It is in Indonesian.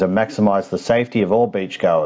dan memaksimalkan keamanan semua penyelamat